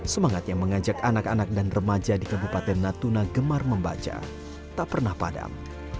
semangat yang mengajak anak anak dan remaja di kabupaten natuna gemar membaca tak pernah padam